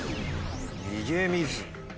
「逃げ水」。